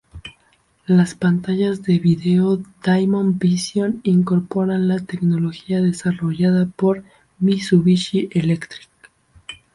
Las pantallas de video Diamond Vision incorporan las tecnologías desarrolladas por Mitsubishi Electric.